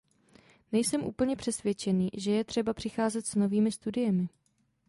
Nejsem úplně přesvědčený, že je třeba přicházet s novými studiemi.